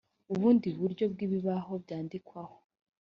ubundi buryo bw ibibaho byandikwaho